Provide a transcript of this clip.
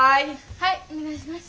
はいお願いします。